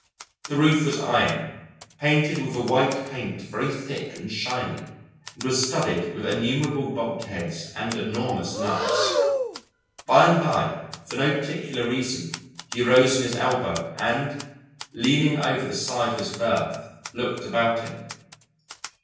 The roof was iron, painted with a white paint very thick and shiny, and was studded with innumerable bolt heads and enormous nuts. By and by, for no particular reason, he rose on his elbow and, leaning over the side of his berth, looked about him.